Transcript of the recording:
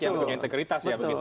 yang punya integritas